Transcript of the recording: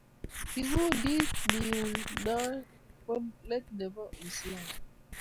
Kikundiit ne uu noe ko let ne bo uislimu.